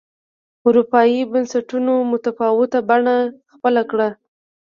اروپایي بنسټونو متفاوته بڼه خپله کړه